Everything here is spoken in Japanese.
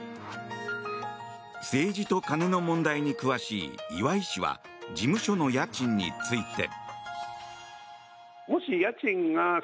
政治と金の問題に詳しい岩井氏は事務所の家賃について。